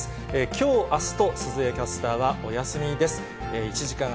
きょう、あすと鈴江キャスターはお休みです。